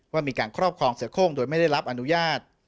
ว่ามีการครอบครองเสือโค้งโดยไม่ได้รับอนุญาต